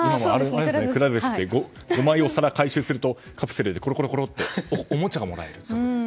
くら寿司って５枚お皿を回収するとカプセルでころころころっておもちゃがもらえます。